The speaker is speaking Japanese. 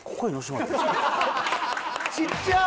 ちっちゃ！